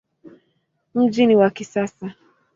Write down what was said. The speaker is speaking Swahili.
Mji ni wa kisasa.